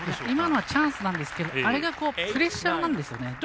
今のはチャンスなんですがあれがプレッシャーなんですよね。